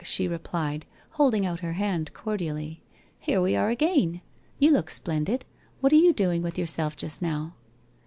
she replied, holding out her hand cor dially. 'Here we are again. You look splendid. What are you doing with yourself just now